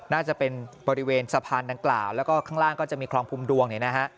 น่าจะเป็นบริเวณสะพานดังกล่าวแล้วก็ข้างล่างก็จะมีคลองพุมดวงเนี่ยนะฮะ